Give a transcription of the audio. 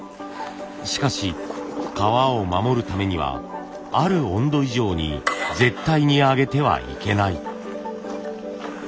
しかし革を守るためにはある温度以上に絶対に上げてはいけない。